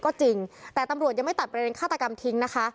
ก็จริงแต่ตำรวจยังไม่ตัดประเด็นฆาตกรรมทิ้งนะคะ